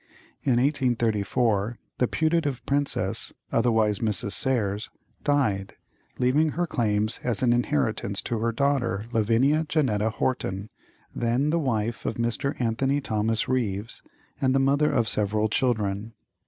In 1834 the putative princess, otherwise Mrs. Serres, died, leaving her claims as an inheritance to her daughter Lavinia Jannetta Horton, then the wife of Mr. Anthony Thomas Ryves, and the mother of several children.